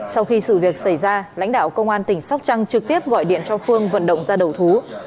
sau khi sự việc xảy ra lãnh đạo công an tỉnh sóc trăng trực tiếp gọi điện cho phương vận động ra đầu thú